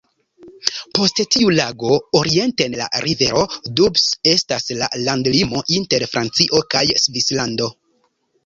Post tiu lago orienten la rivero Doubs estas la landlimo inter Francio kaj Svislando.